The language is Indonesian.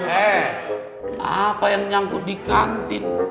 eh apa yang nyangkut di kantin